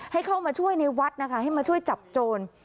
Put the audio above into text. ให้เข้ามาช่วยในวัดนะคะให้มาช่วยจับโจร